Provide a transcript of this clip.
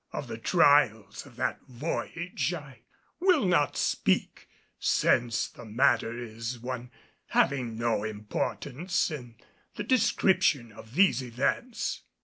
Of the trials of that voyage I will not speak, since the matter is one having no importance in the description of these events.